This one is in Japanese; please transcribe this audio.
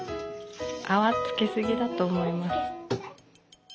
あわつけすぎだとおもいます。